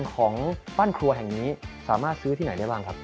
ของบ้านครัวแห่งนี้สามารถซื้อที่ไหนได้บ้างครับ